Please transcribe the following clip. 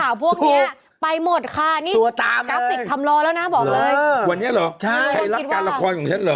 วันนี้เหรอใครรับการละครของฉันเหรอ